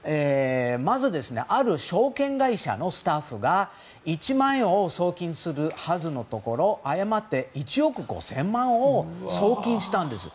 まず、ある証券会社のスタッフが１万円を送金するはずのところ誤って１億５０００万円を送金したんです。